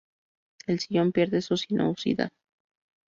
El sillón pierde su sinuosidad.